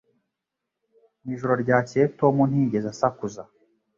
Mu ijoro ryakeye Tom ntiyigeze asakuza